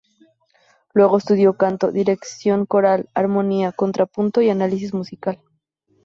Luego estudió canto, dirección coral, armonía, contrapunto y análisis musical.